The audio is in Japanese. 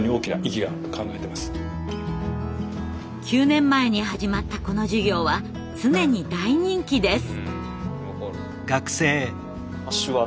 ９年前に始まったこの授業は常に大人気です。